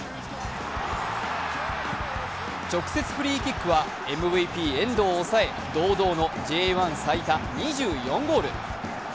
直接フリーキックはＭＶＰ遠藤を抑え堂々のＪ１最多２４ゴール。